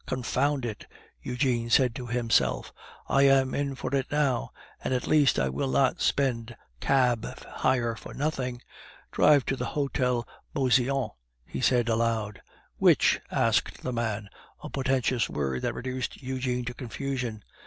"Confound it!" Eugene said to himself, "I am in for it now, and at least I will not spend cab hire for nothing! Drive to the Hotel Beauseant," he said aloud. "Which?" asked the man, a portentous word that reduced Eugene to confusion.